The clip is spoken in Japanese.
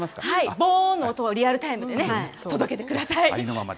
ぼーんの音はリアルタイムでね、届けてください。